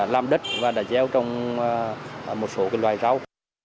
làm đất và đã gieo trong một số loài rau